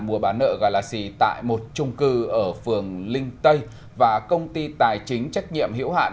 mua bán nợ galaxy tại một trung cư ở phường linh tây và công ty tài chính trách nhiệm hiểu hạn